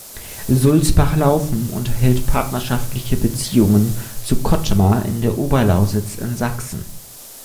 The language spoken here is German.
Sulzbach-Laufen unterhält partnerschaftliche Beziehungen zu Kottmar in der Oberlausitz in Sachsen.